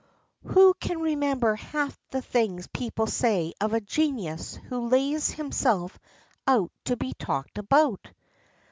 "Who can remember half the things people say of a genius who lays himself out to be talked about?"